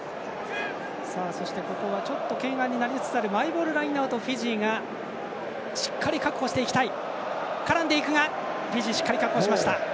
そして、ここはちょっと懸案になりつつあるマイボールラインアウトをフィジーがしっかり確保していきたい。